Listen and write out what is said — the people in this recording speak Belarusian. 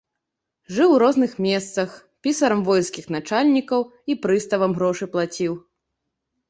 Жыў у розных месцах, пісарам воінскіх начальнікаў і прыставам грошы плаціў.